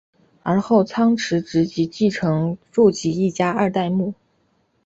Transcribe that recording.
而后仓持直吉继承住吉一家二代目。